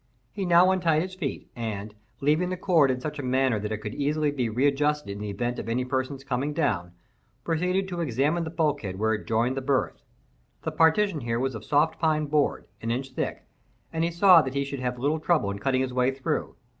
He now untied his feet, and, leaving the cord in such a manner that it could easily be readjusted in the event of any person's coming down, proceeded to examine the bulkhead where it joined the berth. The partition here was of soft pine board, an inch thick, and he saw that he should have little trouble in cutting his way through.